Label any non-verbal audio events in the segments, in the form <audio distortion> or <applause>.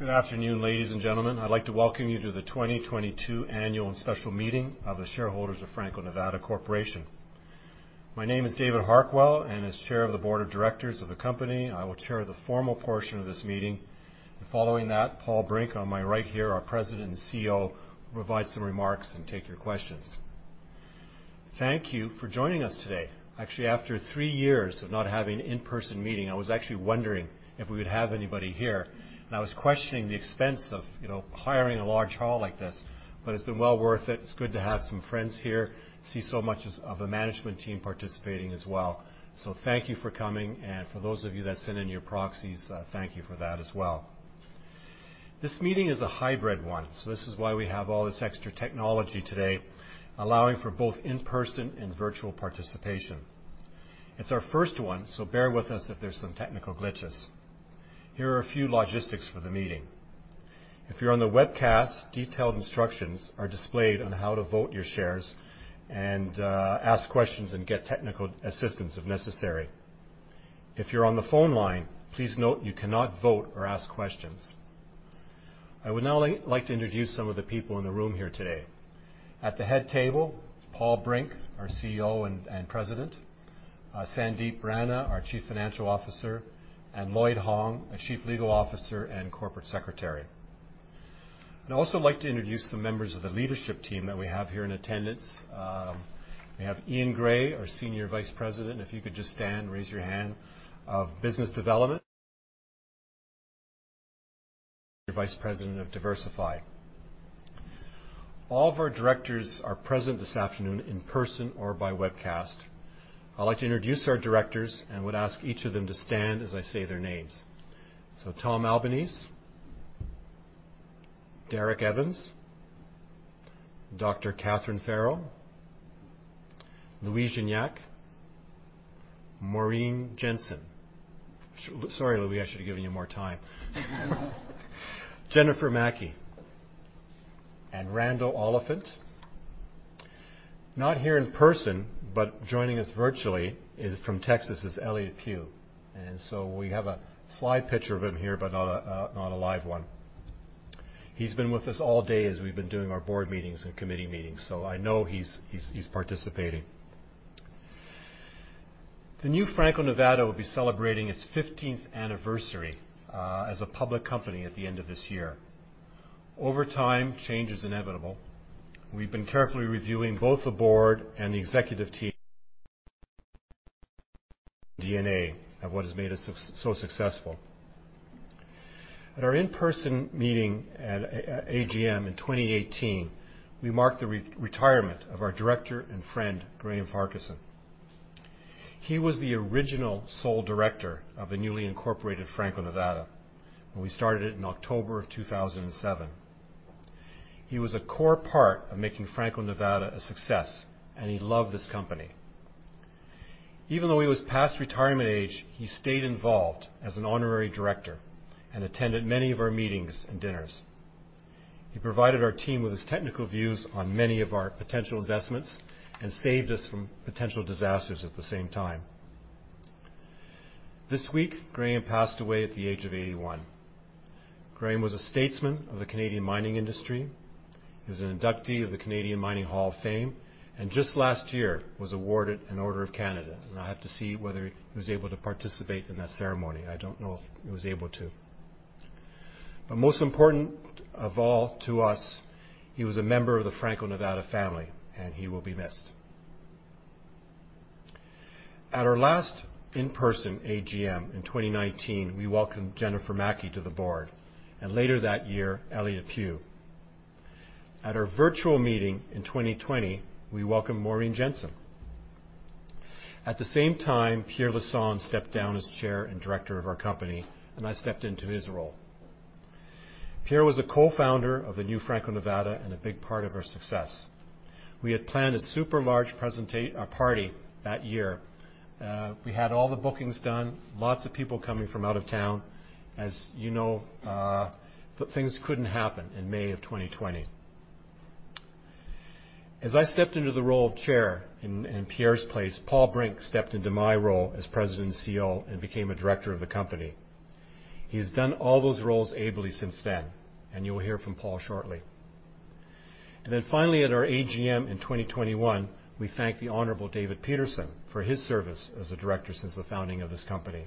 Good afternoon, ladies and gentlemen. I'd like to welcome you to the 2022 Annual and Special Meeting of the shareholders of Franco-Nevada Corporation. My name is David Harquail, and as Chair of the Board of Directors of the company, I will chair the formal portion of this meeting. Following that, Paul Brink, on my right here, our President and CEO, will provide some remarks and take your questions. Thank you for joining us today. Actually, after three years of not having in-person meeting, I was actually wondering if we would have anybody here, and I was questioning the expense of, you know, hiring a large hall like this, but it's been well worth it. It's good to have some friends here. See so much of the management team participating as well. So thank you for coming. For those of you that sent in your proxies, thank you for that as well. This meeting is a hybrid one, so this is why we have all this extra technology today, allowing for both in-person and virtual participation. It's our first one, so bear with us if there's some technical glitches. Here are a few logistics for the meeting. If you're on the webcast, detailed instructions are displayed on how to vote your shares and ask questions and get technical assistance if necessary. If you're on the phone line, please note you cannot vote or ask questions. I would now like to introduce some of the people in the room here today. At the head table, Paul Brink, our CEO and President, Sandip Rana, our Chief Financial Officer, and Lloyd Hong, our Chief Legal Officer and Corporate Secretary. I'd also like to introduce some members of the leadership team that we have here in attendance. We have Eaun Gray, our Senior Vice President. If you could just stand, raise your hand. Of Business Development. Vice President of Diversified. All of our directors are present this afternoon in person or by webcast. I'd like to introduce our directors and would ask each of them to stand as I say their names. Tom Albanese, Derek Evans, Dr. Catharine Farrow, Louis Gignac, Maureen Jensen. Sorry, Louis, I should have given you more time. Jennifer Maki, and Randall Oliphant. Not here in person, but joining us virtually is from Texas, is Elliott Pew. We have a slide picture of him here, but not a live one. He's been with us all day as we've been doing our board meetings and committee meetings, so I know he's participating. The new Franco-Nevada will be celebrating its fifteenth anniversary as a public company at the end of this year. Over time, change is inevitable. We've been carefully reviewing both the board and the executive team DNA of what has made us so successful. At our in-person meeting at AGM in 2018, we marked the retirement of our director and friend, Graham Farquharson. He was the original sole director of the newly incorporated Franco-Nevada when we started in October of 2007. He was a core part of making Franco-Nevada a success, and he loved this company. Even though he was past retirement age, he stayed involved as an honorary director and attended many of our meetings and dinners. He provided our team with his technical views on many of our potential investments and saved us from potential disasters at the same time. This week, Graham passed away at the age of 81. Graham was a statesman of the Canadian mining industry. He was an inductee of the Canadian Mining Hall of Fame, and just last year was awarded an Order of Canada. I have to see whether he was able to participate in that ceremony. I don't know if he was able to. Most important of all to us, he was a member of the Franco-Nevada family, and he will be missed. At our last in-person AGM in 2019, we welcomed Jennifer Maki to the board, and later that year, Euan R. Pugh. At our virtual meeting in 2020, we welcomed Maureen Jensen. At the same time, Pierre Lassonde stepped down as Chair and Director of our company, and I stepped into his role. Pierre was a co-founder of the new Franco-Nevada and a big part of our success. We had planned a super large party that year. We had all the bookings done, lots of people coming from out of town, as you know, but things couldn't happen in May of 2020. As I stepped into the role of Chair in Pierre's place, Paul Brink stepped into my role as President and CEO and became a Director of the company. He's done all those roles ably since then, and you will hear from Paul shortly. Finally, at our AGM in 2021, we thanked the Honorable David Peterson for his service as a Director since the founding of this company.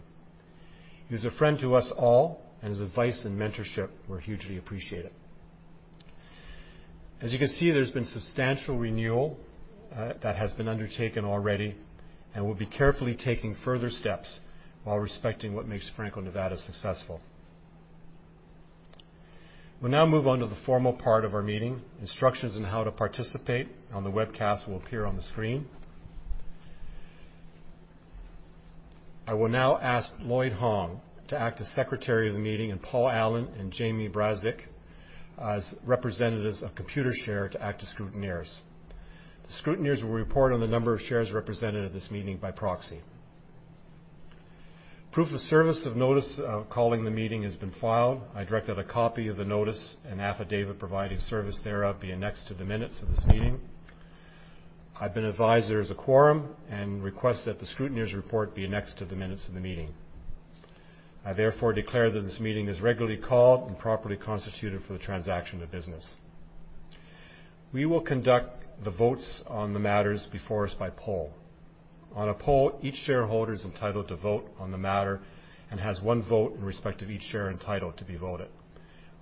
He was a friend to us all, and his advice and mentorship were hugely appreciated. As you can see, there's been substantial renewal that has been undertaken already, and we'll be carefully taking further steps while respecting what makes Franco-Nevada successful. We'll now move on to the formal part of our meeting. Instructions on how to participate on the webcast will appear on the screen. I will now ask Lloyd Hong to act as Secretary of the meeting and Paul Allen and Jamie Brazdik as representatives of Computershare to act as scrutineers. The scrutineers will report on the number of shares represented at this meeting by proxy. Proof of service of notice of calling the meeting has been filed. I directed a copy of the notice and affidavit providing service thereof be annexed to the minutes of this meeting. I've been advised there is a quorum and request that the scrutineer's report be annexed to the minutes of the meeting. I therefore declare that this meeting is regularly called and properly constituted for the transaction of business. We will conduct the votes on the matters before us by poll. On a poll, each shareholder is entitled to vote on the matter and has one vote in respect of each share entitled to be voted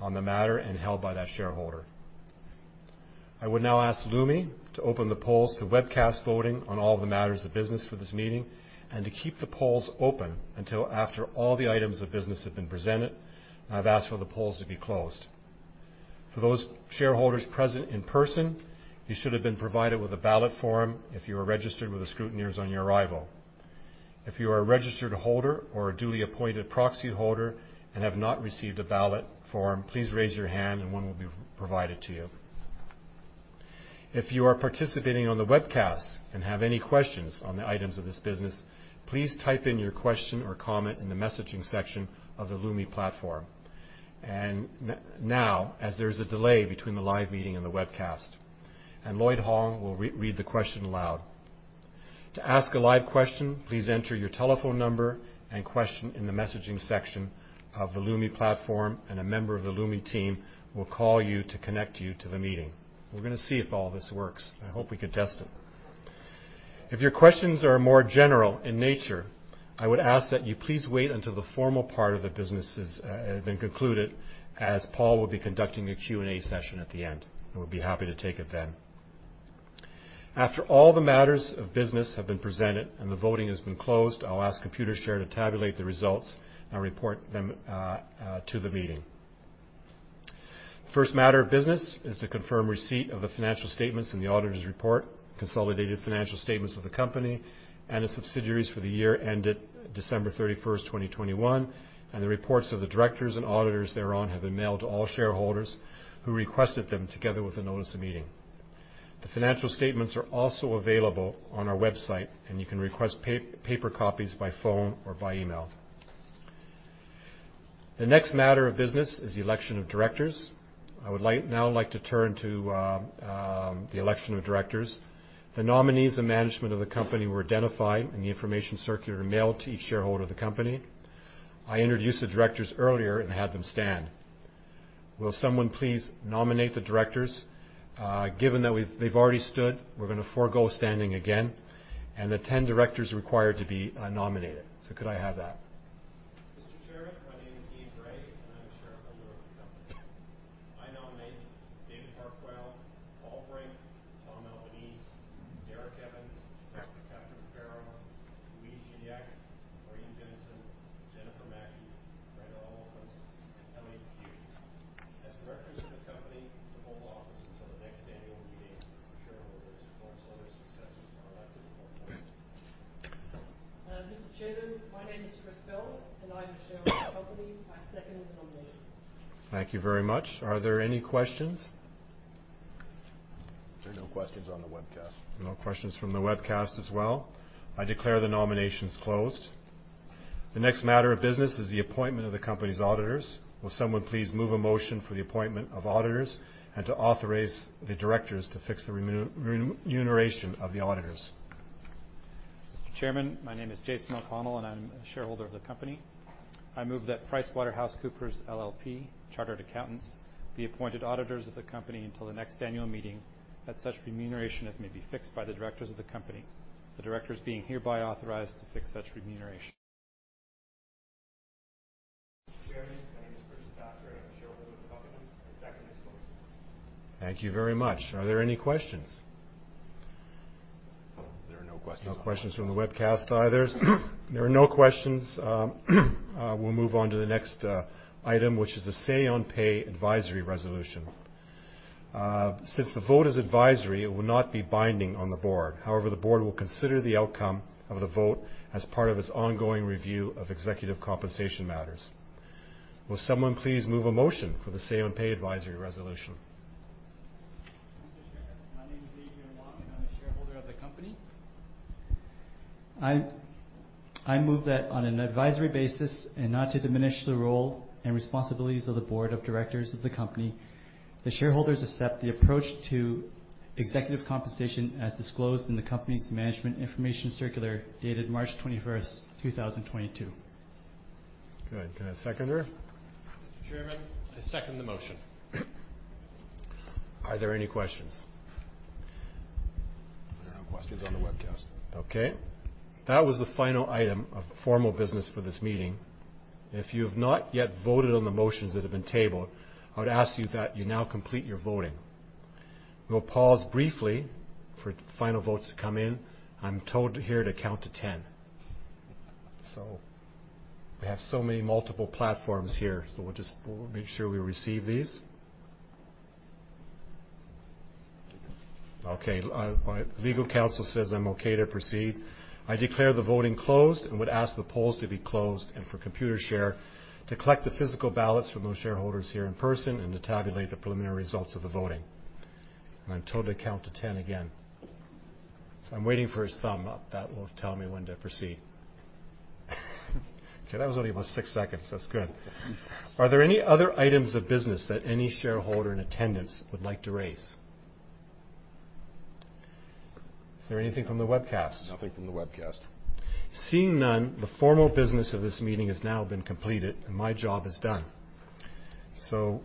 on the matter and held by that shareholder. I would now ask Lumi to open the polls to webcast voting on all the matters of business for this meeting and to keep the polls open until after all the items of business have been presented, and I've asked for the polls to be closed. For those shareholders present in person, you should have been provided with a ballot form if you are registered with the scrutineers on your arrival. If you are a registered holder or a duly appointed proxy holder and have not received a ballot form, please raise your hand and one will be provided to you. If you are participating on the webcast and have any questions on the items of this business, please type in your question or comment in the messaging section of the Lumi platform. Now, as there is a delay between the live meeting and the webcast, and Lloyd Hong will re-read the question aloud. To ask a live question, please enter your telephone number and question in the messaging section of the Lumi platform, and a member of the Lumi team will call you to connect you to the meeting. We're gonna see if all this works. I hope we can test it. If your questions are more general in nature, I would ask that you please wait until the formal part of the business has been concluded, as Paul will be conducting a Q&A session at the end, and we'll be happy to take it then. After all the matters of business have been presented and the voting has been closed, I'll ask Computershare to tabulate the results and report them to the meeting. First matter of business is to confirm receipt of the financial statements and the auditor's report, consolidated financial statements of the company and its subsidiaries for the year ended December 31, 2021, and the reports of the directors and auditors thereon have been mailed to all shareholders who requested them together with a notice of meeting. The financial statements are also available on our website, and you can request paper copies by phone or by email. The next matter of business is the election of directors. I would like now, like, to turn to the election of directors. The nominees and management of the company were identified in the information circular mailed to each shareholder of the company. I introduced the directors earlier and had them stand. Will someone please nominate the directors? Given that they've already stood, we're gonna forego standing again, and the 10 directors are required to be nominated. Could I have that? Chartered Accountants be appointed auditors of the company until the next annual meeting at such remuneration as may be fixed by the directors of the company. The directors being hereby authorized to fix such remuneration. <audio distortion> Thank you very much. Are there any questions? There are no questions on the webcast. No questions from the webcast either. There are no questions. We'll move on to the next item, which is the say on pay advisory resolution. Since the vote is advisory, it will not be binding on the board. However, the board will consider the outcome of the vote as part of its ongoing review of executive compensation matters. Will someone please move a motion for the say on pay advisory resolution? <audio distortion> I'm a shareholder of the company. I move that on an advisory basis and not to diminish the role and responsibilities of the board of directors of the company, the shareholders accept the approach to executive compensation as disclosed in the company's management information circular dated March twenty-first, two thousand twenty-two. Good. Can I have a seconder? Mr. Chairman, I second the motion. Are there any questions? There are no questions on the webcast. Okay. That was the final item of formal business for this meeting. If you have not yet voted on the motions that have been tabled, I would ask you that you now complete your voting. We'll pause briefly for final votes to come in. I'm told here to count to 10. We have so many multiple platforms here, we'll just, we'll make sure we receive these. Okay. My legal counsel says I'm okay to proceed. I declare the voting closed and would ask the polls to be closed and for Computershare to collect the physical ballots from those shareholders here in person and to tabulate the preliminary results of the voting. I'm told to count to 10 again. I'm waiting for his thumbs up. That will tell me when to proceed. Okay. That was only about 6 seconds. That's good. Are there any other items of business that any shareholder in attendance would like to raise? Is there anything from the webcast? Nothing from the webcast. Seeing none, the formal business of this meeting has now been completed, and my job is done.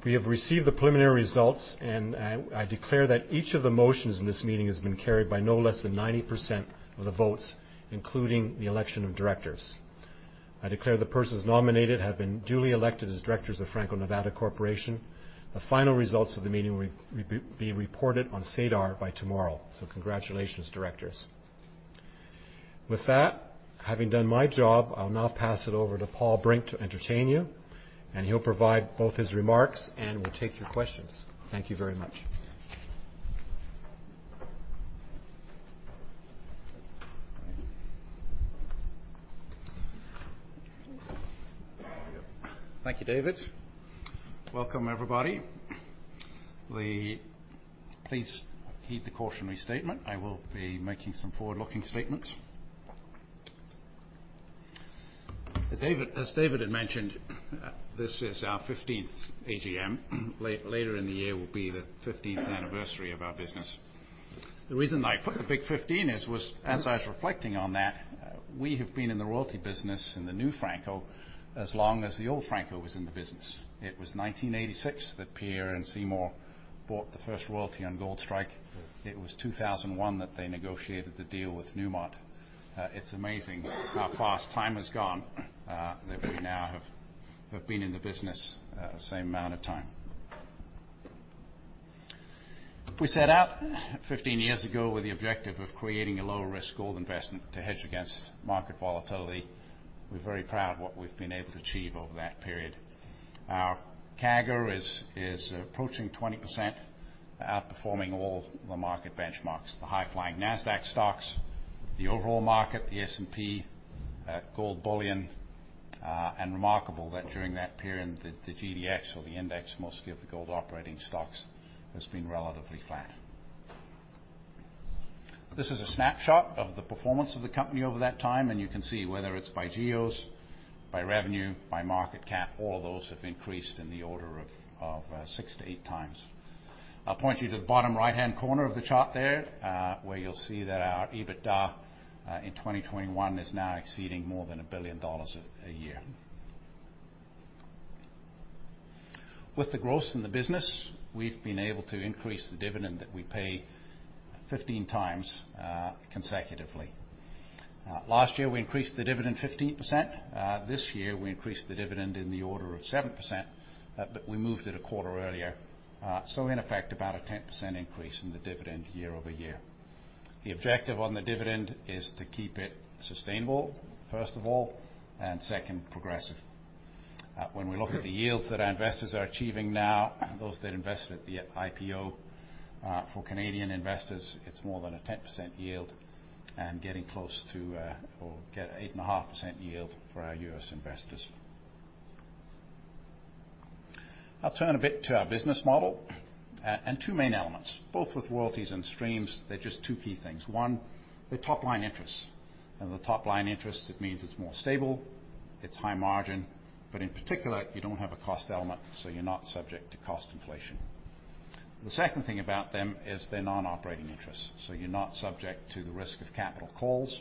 We have received the preliminary results, and I declare that each of the motions in this meeting has been carried by no less than 90% of the votes, including the election of directors. I declare the persons nominated have been duly elected as directors of Franco-Nevada Corporation. The final results of the meeting will be reported on SEDAR by tomorrow. Congratulations, directors. With that, having done my job, I'll now pass it over to Paul Brink to entertain you, and he'll provide both his remarks and will take your questions. Thank you very much. Thank you, David. Welcome, everybody. Please heed the cautionary statement. I will be making some forward-looking statements. As David had mentioned, this is our 15th AGM. Later in the year will be the 15th anniversary of our business. The reason I put the big 15 was, as I was reflecting on that, we have been in the royalty business in the new Franco as long as the old Franco was in the business. It was 1986 that Pierre and Seymour bought the first royalty on Goldstrike. It was 2001 that they negotiated the deal with Newmont. It's amazing how fast time has gone, that we now have been in the business the same amount of time. We set out 15 years ago with the objective of creating a low-risk gold investment to hedge against market volatility. We're very proud of what we've been able to achieve over that period. Our CAGR is approaching 20%, outperforming all the market benchmarks, the high-flying NASDAQ stocks, the overall market, the S&P, gold bullion, and remarkable that during that period, the GDX or the index, mostly of the gold operating stocks, has been relatively flat. This is a snapshot of the performance of the company over that time, and you can see whether it's by geos, by revenue, by market cap, all of those have increased in the order of 6-8 times. I'll point you to the bottom right-hand corner of the chart there, where you'll see that our EBITDA in 2021 is now exceeding more than $1 billion a year. With the growth in the business, we've been able to increase the dividend that we pay 15 times consecutively. Last year, we increased the dividend 15%. This year, we increased the dividend in the order of 7%, but we moved it a quarter earlier, so in effect, about a 10% increase in the dividend year-over-year. The objective on the dividend is to keep it sustainable, first of all, and second, progressive. When we look at the yields that our investors are achieving now, those that invested at the IPO, for Canadian investors, it's more than a 10% yield and getting close to 8.5% yield for our US investors. I'll turn a bit to our business model. Two main elements, both with royalties and streams, they're just two key things. One, they're top-line interests. The top-line interest, it means it's more stable, it's high margin, but in particular, you don't have a cost element, so you're not subject to cost inflation. The second thing about them is they're non-operating interests, so you're not subject to the risk of capital calls.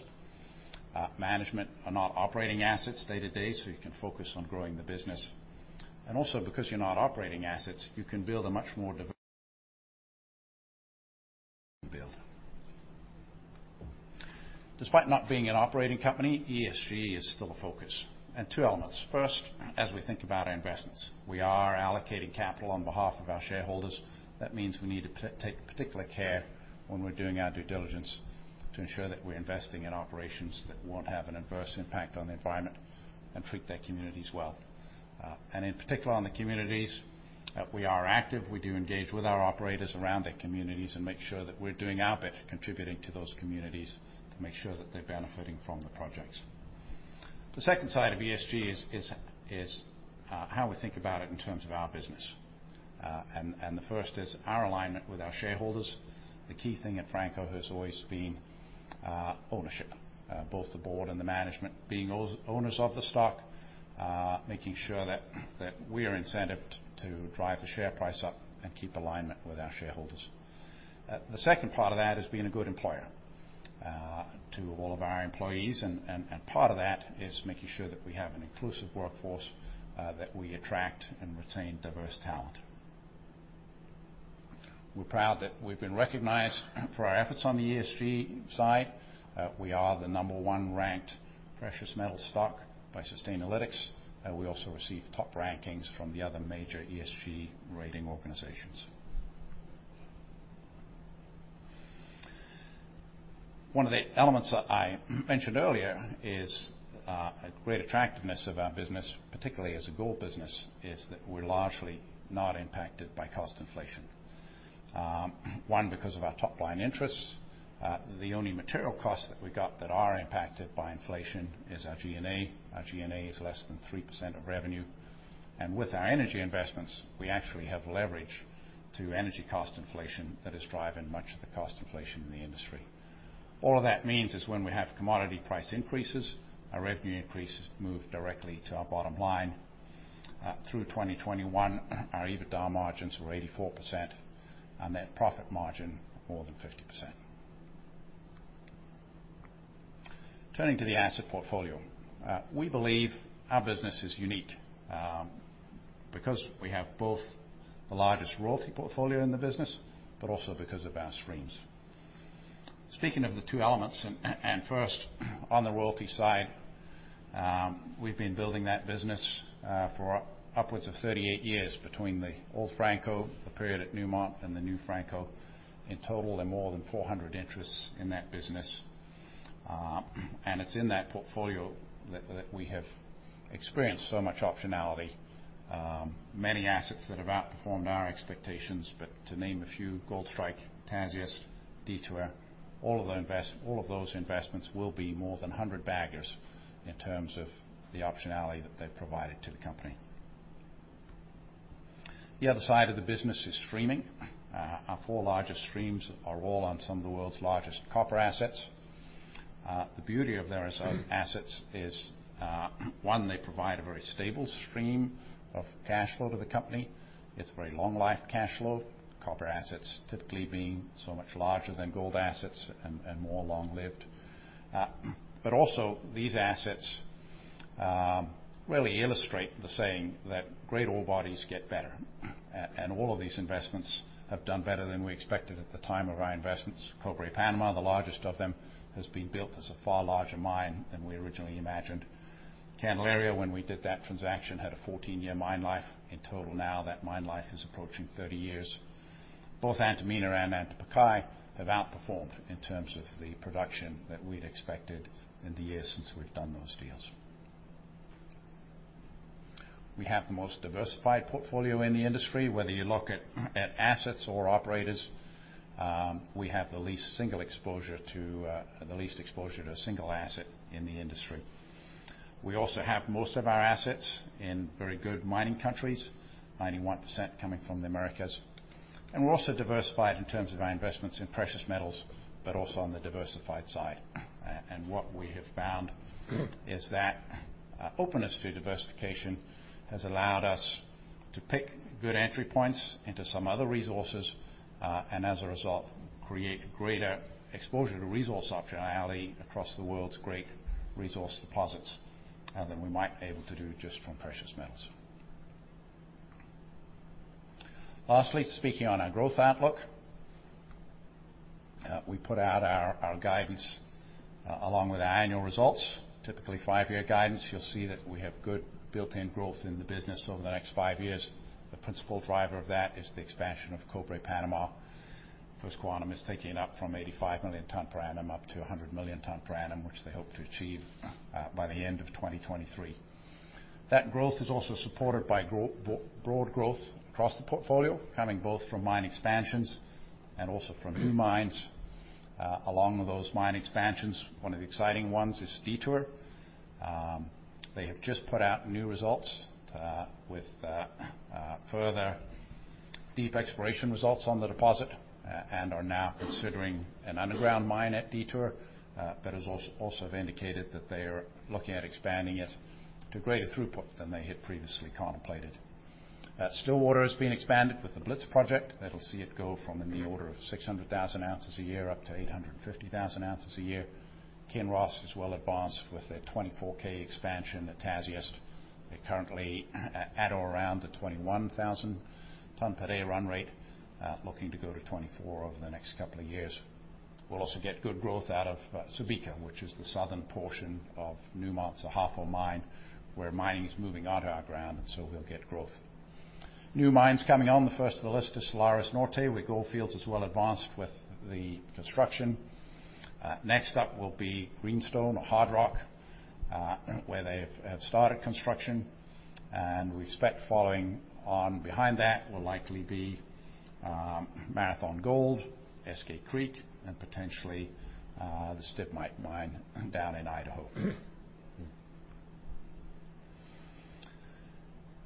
Management are not operating assets day to day, so you can focus on growing the business. Also because you're not operating assets, you can build a much more diverse build. Despite not being an operating company, ESG is still a focus. Two elements. First, as we think about our investments, we are allocating capital on behalf of our shareholders. That means we need to take particular care when we're doing our due diligence to ensure that we're investing in operations that won't have an adverse impact on the environment and treat their communities well. In particular on the communities, we are active. We do engage with our operators around their communities and make sure that we're doing our bit contributing to those communities to make sure that they're benefiting from the projects. The second side of ESG is how we think about it in terms of our business. The first is our alignment with our shareholders. The key thing at Franco has always been ownership, both the board and the management being owners of the stock, making sure that we are incentivized to drive the share price up and keep alignment with our shareholders. The second part of that is being a good employer to all of our employees, and part of that is making sure that we have an inclusive workforce that we attract and retain diverse talent. We're proud that we've been recognized for our efforts on the ESG side. We are the number 1 ranked precious metal stock by Sustainalytics. We also receive top rankings from the other major ESG rating organizations. One of the elements that I mentioned earlier is a great attractiveness of our business, particularly as a gold business, is that we're largely not impacted by cost inflation. One, because of our top-line interests, the only material costs that we got that are impacted by inflation is our G&A. Our G&A is less than 3% of revenue. With our energy investments, we actually have leverage to energy cost inflation that is driving much of the cost inflation in the industry. All of that means is when we have commodity price increases, our revenue increases move directly to our bottom line. Through 2021, our EBITDA margins were 84% and net profit margin more than 50%. Turning to the asset portfolio. We believe our business is unique, because we have both the largest royalty portfolio in the business, but also because of our streams. Speaking of the two elements, and first on the royalty side, we've been building that business, for upwards of 38 years between the old Franco-Nevada, the period at Newmont and the new Franco-Nevada. In total, there are more than 400 interests in that business. It's in that portfolio that we have experienced so much optionality, many assets that have outperformed our expectations. To name a few, Gold Strike, Tasiast, Detour, all of those investments will be more than 100-baggers in terms of the optionality that they've provided to the company. The other side of the business is streaming. Our 4 largest streams are all on some of the world's largest copper assets. The beauty of those assets is, one, they provide a very stable stream of cash flow to the company. It's very long life cash flow, copper assets typically being so much larger than gold assets and more long-lived. Also these assets really illustrate the saying that great ore bodies get better. All of these investments have done better than we expected at the time of our investments. Cobre Panama, the largest of them, has been built as a far larger mine than we originally imagined. Candelaria, when we did that transaction, had a 14-year mine life. In total now, that mine life is approaching 30 years. Both Antamina and Antapaccay have outperformed in terms of the production that we'd expected in the years since we've done those deals. We have the most diversified portfolio in the industry, whether you look at assets or operators. We have the least exposure to a single asset in the industry. We also have most of our assets in very good mining countries, 91% coming from the Americas. We're also diversified in terms of our investments in precious metals, but also on the diversified side. What we have found is that openness to diversification has allowed us to pick good entry points into some other resources, and as a result, create greater exposure to resource optionality across the world's great resource deposits than we might be able to do just from precious metals. Lastly, speaking on our growth outlook, we put out our guidance along with our annual results. Typically five-year guidance, you'll see that we have good built-in growth in the business over the next five years. The principal driver of that is the expansion of Cobre Panama. First Quantum is taking it up from 85 million tons per annum up to 100 million tons per annum, which they hope to achieve by the end of 2023. That growth is also supported by broad growth across the portfolio, coming both from mine expansions and also from new mines. Along with those mine expansions, one of the exciting ones is Detour. They have just put out new results with further deep exploration results on the deposit, and are now considering an underground mine at Detour, but has also indicated that they are looking at expanding it to greater throughput than they had previously contemplated. Stillwater is being expanded with the Blitz project. That'll see it go from in the order of 600,000 ounces a year up to 850,000 ounces a year. Kinross is well advanced with their 24K expansion at Tasiast. They're currently at or around the 21,000 ton per day run rate, looking to go to 24 over the next couple of years. We'll also get good growth out of Subika, which is the southern portion of Newmont's Ahafo mine, where mining is moving onto our ground, and so we'll get growth. New mines coming on. The first of the list is Salares Norte, where Gold Fields is well advanced with the construction. Next up will be Greenstone or Hardrock, where they've started construction. We expect following on behind that will likely be Marathon Gold, Eskay Creek, and potentially the Stibnite Mine down in Idaho.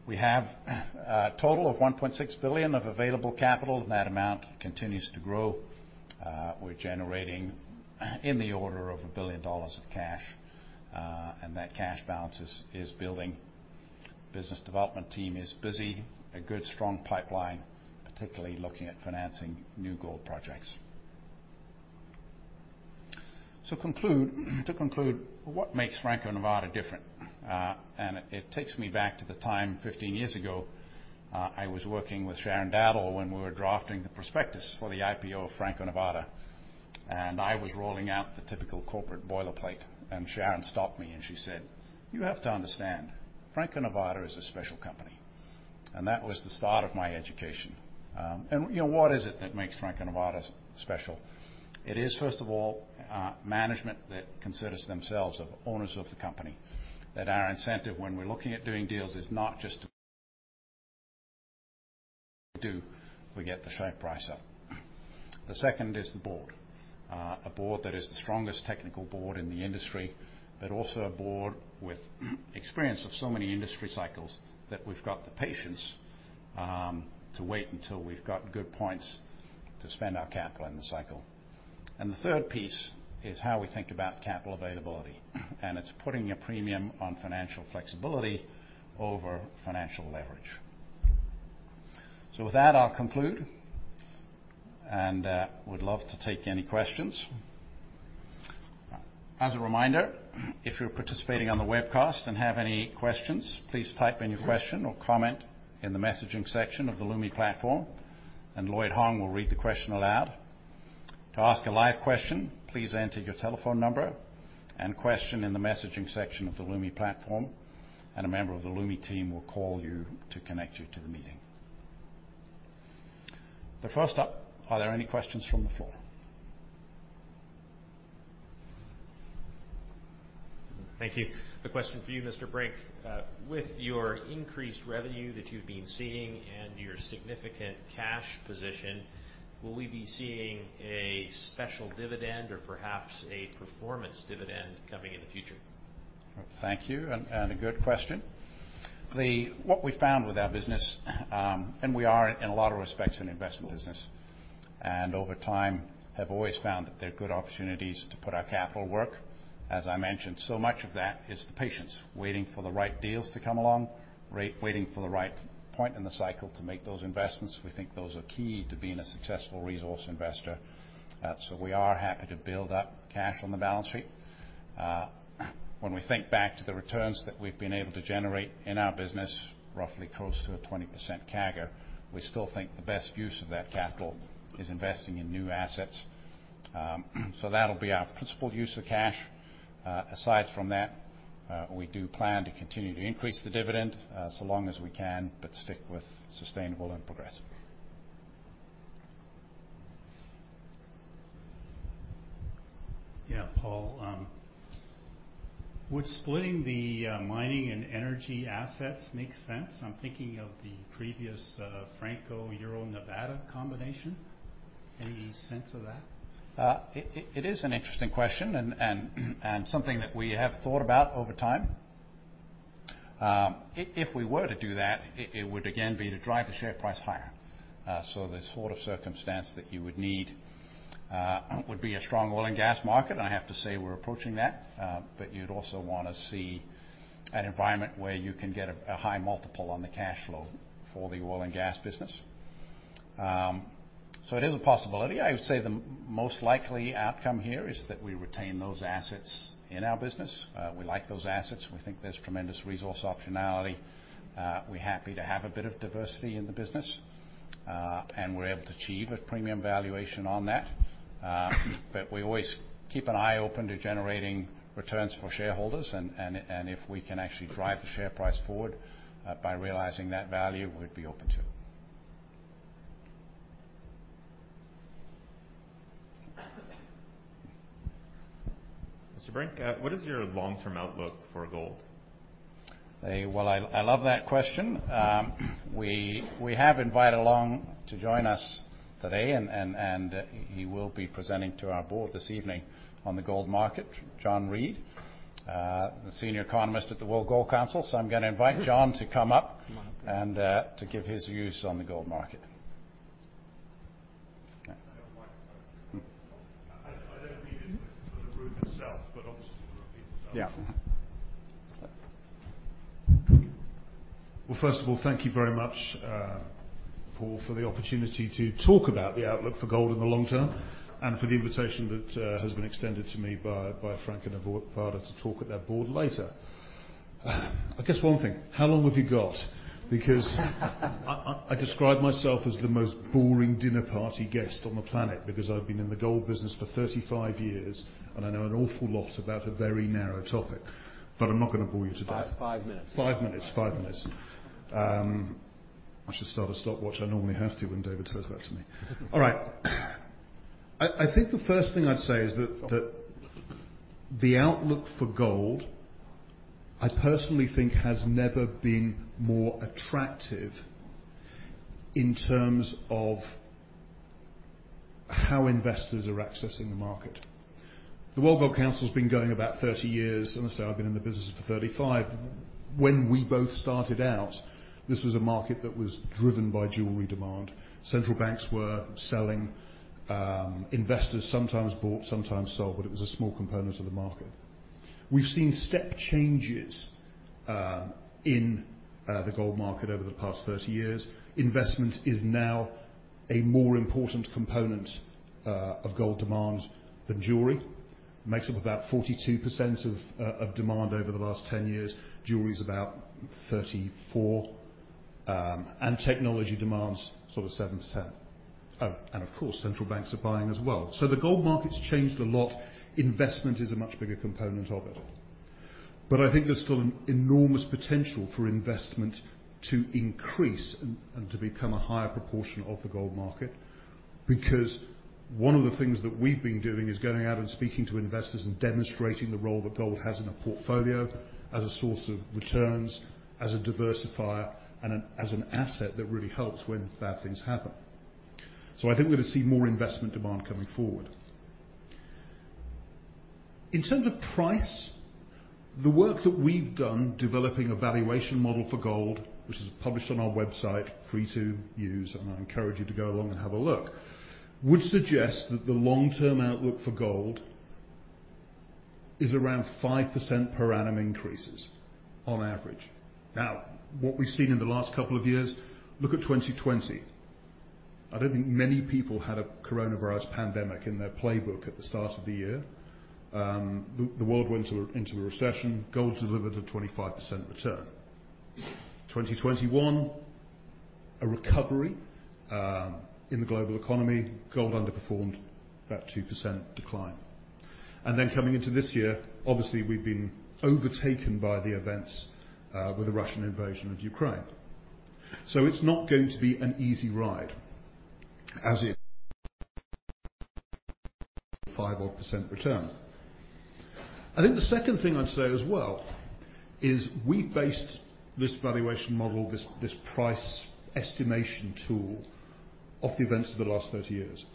We have a total of $1.6 billion of available capital, and that amount continues to grow. We're generating in the order of $1 billion of cash, and that cash balance is building. Business development team is busy, a good strong pipeline, particularly looking at financing new gold projects. To conclude, what makes Franco-Nevada different? It takes me back to the time 15 years ago, I was working with Seymour Schulich when we were drafting the prospectus for the IPO of Franco-Nevada. I was rolling out the typical corporate boilerplate, and Seymour Schulich stopped me and he said, "You have to understand, Franco-Nevada is a special company." That was the start of my education. You know, what is it that makes Franco-Nevada special? It is, first of all, management that considers themselves of owners of the company, that our incentive when we're looking at doing deals is not just to do, we get the share price up. The second is the board. A board that is the strongest technical board in the industry, but also a board with experience of so many industry cycles that we've got the patience to wait until we've got good points to spend our capital in the cycle. The third piece is how we think about capital availability, and it's putting a premium on financial flexibility over financial leverage. With that, I'll conclude, and would love to take any questions. As a reminder, if you're participating on the webcast and have any questions, please type in your question or comment in the messaging section of the Lumi platform, and Lloyd Hong will read the question aloud. To ask a live question, please enter your telephone number and question in the messaging section of the Lumi platform, and a member of the Lumi team will call you to connect you to the meeting. First up, are there any questions from the floor? Thank you. A question for you, Mr. Brink. With your increased revenue that you've been seeing and your significant cash position, will we be seeing a special dividend or perhaps a performance dividend coming in the future? Thank you, and a good question. What we found with our business, and we are in a lot of respects an investment business, and over time have always found that there are good opportunities to put our capital to work. As I mentioned, so much of that is the patience, waiting for the right deals to come along, waiting for the right point in the cycle to make those investments. We think those are key to being a successful resource investor. We are happy to build up cash on the balance sheet. When we think back to the returns that we've been able to generate in our business, roughly close to a 20% CAGR, we still think the best use of that capital is investing in new assets. That'll be our principal use of cash. Aside from that, we do plan to continue to increase the dividend so long as we can, but stick with sustainable and progressive. Yeah, Paul, would splitting the mining and energy assets make sense? I'm thinking of the previous Franco-Nevada and Euro-Nevada combination. Any sense of that? It is an interesting question and something that we have thought about over time. If we were to do that, it would again be to drive the share price higher. The sort of circumstance that you would need would be a strong oil and gas market. I have to say, we're approaching that, but you'd also wanna see an environment where you can get a high multiple on the cash flow for the oil and gas business. It is a possibility. I would say the most likely outcome here is that we retain those assets in our business. We like those assets. We think there's tremendous resource optionality. We're happy to have a bit of diversity in the business, and we're able to achieve a premium valuation on that. We always keep an eye open to generating returns for shareholders and if we can actually drive the share price forward by realizing that value, we'd be open to it. Mr. Brink, what is your long-term outlook for gold? Well, I love that question. We have invited along to join us today and he will be presenting to our board this evening on the gold market, John Reade, the Senior Market Strategist at the World Gold Council. I'm gonna invite John to come up and to give his views on the gold market. Can I have the microphone? Mm-hmm. I don't need it for the room itself, but obviously for the people dialed in. Yeah. Well, first of all, thank you very much, Paul, for the opportunity to talk about the outlook for gold in the long term, and for the invitation that has been extended to me by Franco-Nevada to talk at their board later. I guess one thing, how long have you got? Because I describe myself as the most boring dinner party guest on the planet because I've been in the gold business for 35 years, and I know an awful lot about a very narrow topic, but I'm not gonna bore you to death. 5 minutes. Five minutes. I should start a stopwatch. I normally have to when David says that to me. All right. I think the first thing I'd say is that the outlook for gold, I personally think has never been more attractive in terms of how investors are accessing the market. The World Gold Council has been going about 30 years, and as I say, I've been in the business for 35. When we both started out, this was a market that was driven by jewelry demand. Central banks were selling, investors sometimes bought, sometimes sold, but it was a small component of the market. We've seen step changes in the gold market over the past 30 years. Investment is now a more important component of gold demand than jewelry. Makes up about 42% of demand over the last 10 years. Jewelry is about 34%, and technology demands sort of 7%. Oh, of course, central banks are buying as well. The gold market's changed a lot. Investment is a much bigger component of it. I think there's still an enormous potential for investment to increase and to become a higher proportion of the gold market. One of the things that we've been doing is going out and speaking to investors and demonstrating the role that gold has in a portfolio as a source of returns, as a diversifier, and as an asset that really helps when bad things happen. I think we're gonna see more investment demand coming forward. In terms of price, the work that we've done developing a valuation model for gold, which is published on our website, free to use, and I encourage you to go along and have a look, would suggest that the long-term outlook for gold is around 5% per annum increases on average. Now, what we've seen in the last couple of years, look at 2020. I don't think many people had a coronavirus pandemic in their playbook at the start of the year. The world went into a recession. Gold delivered a 25% return. 2021, a recovery in the global economy. Gold underperformed about 2% decline. Coming into this year, obviously we've been overtaken by the events with the Russian invasion of Ukraine. It's not going to be an easy ride as it's 5-odd% return. I think the second thing I'd say as well is we based this valuation model, this price estimation tool off the events of the last 30 years.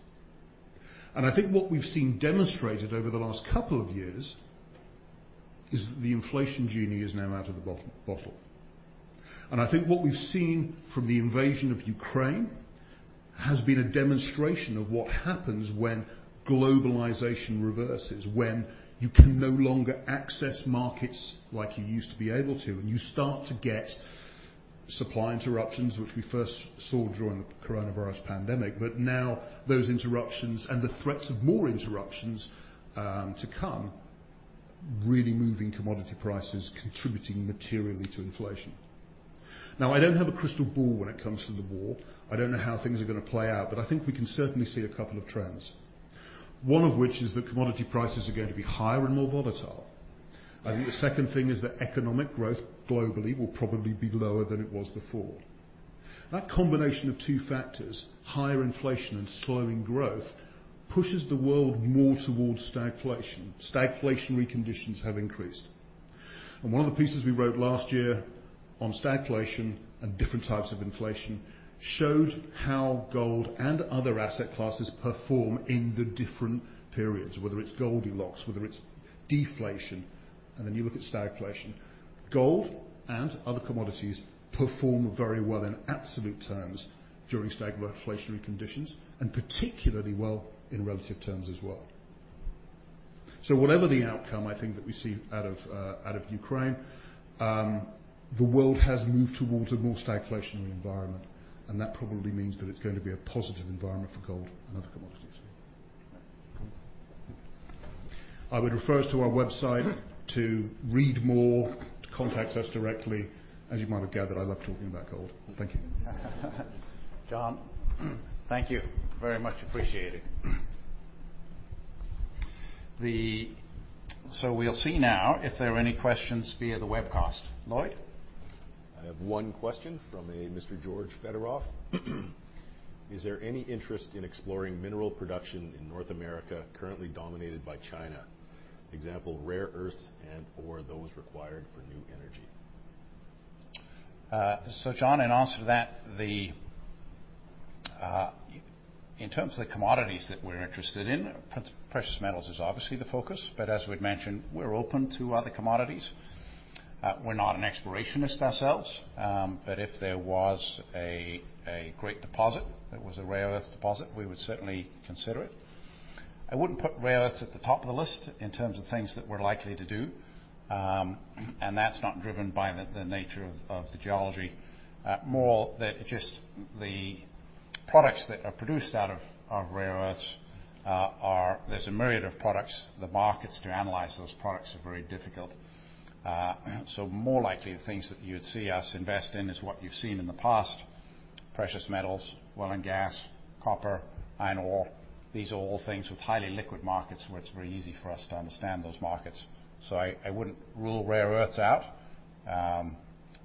I think what we've seen demonstrated over the last couple of years is that the inflation genie is now out of the bottle. I think what we've seen from the invasion of Ukraine has been a demonstration of what happens when globalization reverses, when you can no longer access markets like you used to be able to, and you start to get supply interruptions, which we first saw during the coronavirus pandemic. Now those interruptions and the threats of more interruptions to come really moving commodity prices, contributing materially to inflation. Now, I don't have a crystal ball when it comes to the war. I don't know how things are gonna play out, but I think we can certainly see a couple of trends. One of which is that commodity prices are going to be higher and more volatile. I think the second thing is that economic growth globally will probably be lower than it was before. That combination of two factors, higher inflation and slowing growth, pushes the world more towards stagflation. Stagflationary conditions have increased. One of the pieces we wrote last year on stagflation and different types of inflation showed how gold and other asset classes perform in the different periods, whether it's Goldilocks, whether it's deflation, and then you look at stagflation. Gold and other commodities perform very well in absolute terms during stagflationary conditions, and particularly well in relative terms as well. Whatever the outcome, I think that we see out of Ukraine, the world has moved towards a more stagflationary environment, and that probably means that it's going to be a positive environment for gold and other commodities. I would refer us to our website to read more, to contact us directly. As you might have gathered, I love talking about gold. Thank you. John, thank you. Very much appreciated. We'll see now if there are any questions via the webcast. Lloyd? I have one question from a Mr. George Fedorov. Is there any interest in exploring mineral production in North America currently dominated by China? Example, rare earths and/or those required for new energy. John, in answer to that, in terms of the commodities that we're interested in, precious metals is obviously the focus, but as we'd mentioned, we're open to other commodities. We're not an explorationist ourselves, but if there was a great deposit that was a rare earth deposit, we would certainly consider it. I wouldn't put rare earths at the top of the list in terms of things that we're likely to do, and that's not driven by the nature of the geology. More likely the things that you would see us invest in is what you've seen in the past, precious metals, oil and gas, copper, iron ore. These are all things with highly liquid markets where it's very easy for us to understand those markets. I wouldn't rule rare earths out,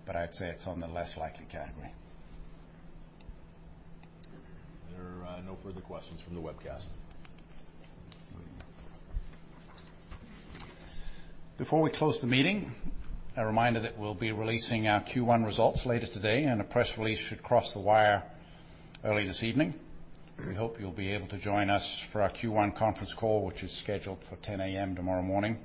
but I'd say it's on the less likely category. There are no further questions from the webcast. Before we close the meeting, a reminder that we'll be releasing our Q1 results later today, and a press release should cross The Wire early this evening. We hope you'll be able to join us for our Q1 conference call, which is scheduled for 10:00 A.M. tomorrow morning.